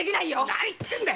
何言ってんだ！